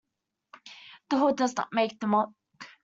The hood does not make the monk.